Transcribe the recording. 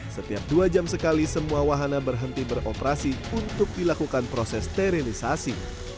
setiap dua jam sekali semua wahana berhenti beroperasi untuk dilakukan proses sterilisasi